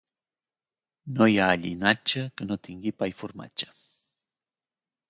No hi ha llinatge que no tingui pa i formatge.